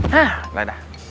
hah udah dah